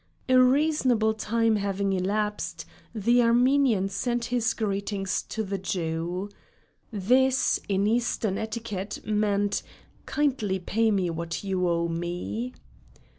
A reasonable time having elapsed, the Armenian sent his greetings to the Jew. This, in Eastern etiquette, meant, 'Kindly pay me what you owe.'